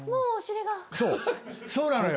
そうなのよ。